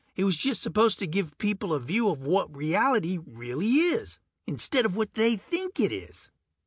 It was just supposed to give people a view of what reality really is, instead of what they think it is.